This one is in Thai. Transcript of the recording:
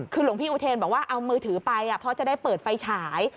คือหลวงพี่อุเทนบอกว่าเอามือถือไปเพราะจะได้เปิดไฟฉาย